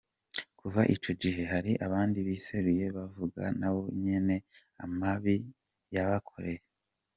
Kuva ico gihe hari abandi biseruye bavuga nabo nyene amabi yabakoreye.